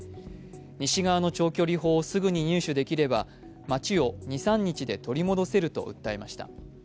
西側の長距離砲をすぐに入手できれば２日３日で取り戻せると訴えました。